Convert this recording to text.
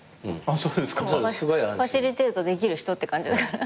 ファシリテートできる人って感じだから。